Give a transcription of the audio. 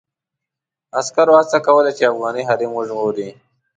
عسکرو هڅه کوله چې افغاني حريم وژغوري.